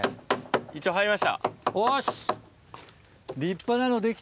一応入りました。